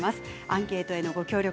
アンケートへのご協力